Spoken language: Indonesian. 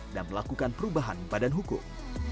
dan melakukan perubahan badan hukum